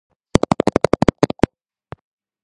გამოთვლითი ქსელი არის განაწილებული სისტემის ერთ-ერთი სახეობა.